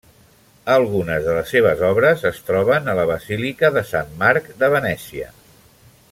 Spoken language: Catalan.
Algunes de les seves obres es troben a la Basílica de Sant Marc de Venècia.